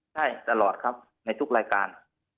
ใช่ตลอดครับในทุกรายการ